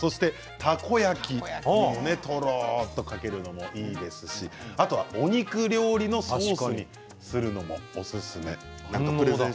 たこ焼き、とろっとかけるのもいいですし、あとはお肉料理のソースにするのもおすすめということです。